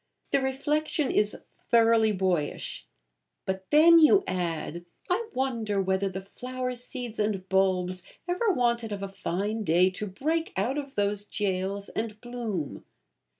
The reflection is thoroughly boyish; but then you add, 'I wondered whether the flower seeds and bulbs ever wanted of a fine day to break out of those jails and bloom.'